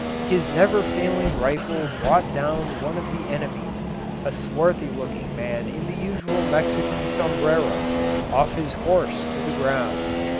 His never failing rifle brought down one of their enemies, a swarthy looking man in the usual Mexican sombrero, off his horse to the ground.